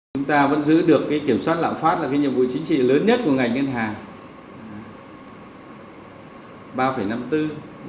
chúng ta vẫn giữ được kiểm soát lạm phát là nhiệm vụ chính trị lớn nhất của ngành ngân hàng